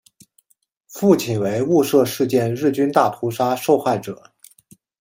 父亲为雾社事件日军大屠杀受害者。